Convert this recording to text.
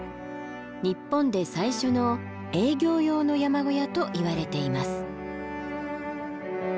日本で最初の営業用の山小屋といわれています。